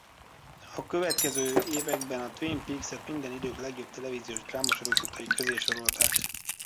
A következő években a Twin Peakset minden idők legjobb televíziós drámasorozatai közé sorolták.